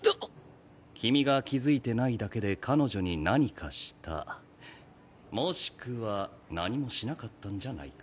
君が気づいてないだけで彼女に何かしたもしくは何もしなかったんじゃないか？